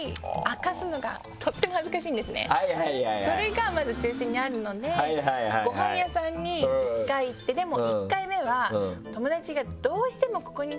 それがまず中心にあるのでごはん屋さんに１回行ってでも。